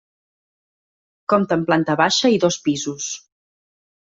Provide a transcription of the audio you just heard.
Compta amb planta baixa i dos pisos.